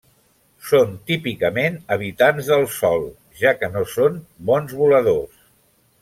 Són típicament habitants del sòl, ja que no són bons voladors.